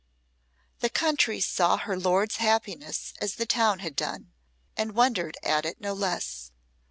The country saw her lord's happiness as the town had done, and wondered at it no less.